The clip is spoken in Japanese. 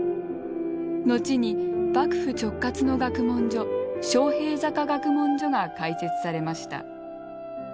後に幕府直轄の学問所昌平坂学問所が開設されました。